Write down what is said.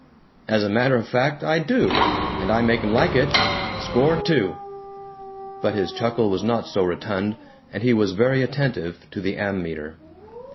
"As a matter of fact, I do! And I make 'em like it. Score two!" But his chuckle was not so rotund, and he was very attentive to the ammeter.